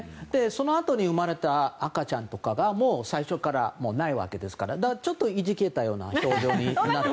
そのあとに生まれた赤ちゃんとかはもう最初からないわけですからちょっといじけたような表情に。